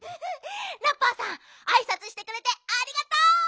ラッパーさんあいさつしてくれてありがとう！